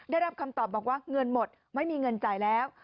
ได้รับคำตอบบอกว่าเงินหมดไม่มีเงินจ่ายแล้ว